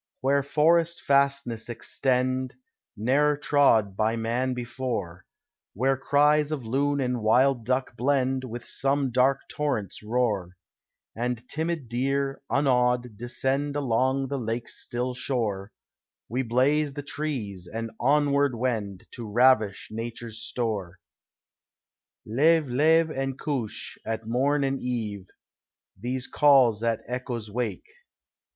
Where forest fastnesses extend, Ne'er trod by man before, Where cries of loon and wild duck blend With some dark torrent's roar, And timid deer, unawed, descend Along the lake's still shore, We blaze the trees and onward wend To ravish nature's store. Leve, leve and couche, at morn and eve These calls the echoes wake.